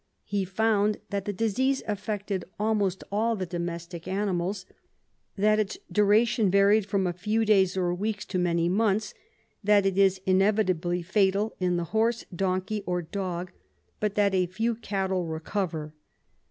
He found that the disease affected almost all the domestic animals, that its duration varied from a few days or weeks to many months, that it is invariably fatal in the horse, donkey or dog, but that a few cattle recover.